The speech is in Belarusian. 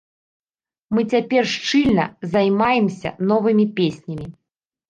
Мы цяпер шчыльна займаемся новымі песнямі.